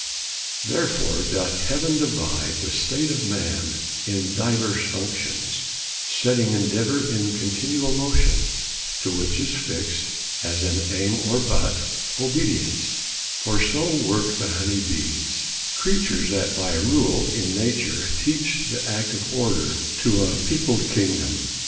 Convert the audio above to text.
Therefore doth heaven divide The state of man in divers functions, Setting endeavor in continual motion; To which is fixéd, as an aim or butt, Obedience: for so work the honey bees, Creatures that by a rule in nature teach The act of order to a peopled kingdom.